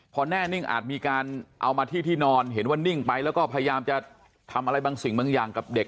พอแน่นิ่งอาจมีการเอามาที่ที่นอนเห็นว่านิ่งไปแล้วก็พยายามจะทำอะไรบางสิ่งบางอย่างกับเด็ก